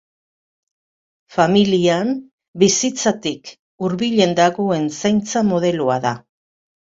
Familian bizitzatik hurbilen dagoen zaintza modeloa da.